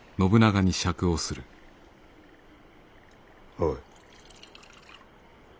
おい。